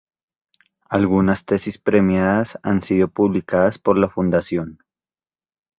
Algunas tesis premiadas han sido publicadas por la Fundación.